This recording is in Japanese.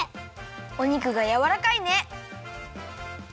お肉がやわらかいね！